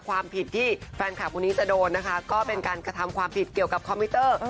ความผิดที่แฟนคลับคนนี้จะโดนนะคะก็เป็นการกระทำความผิดเกี่ยวกับคอมพิวเตอร์